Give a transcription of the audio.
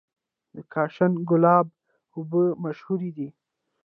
د کاشان ګلاب اوبه مشهورې دي.